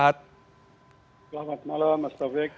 selamat malam mas taufik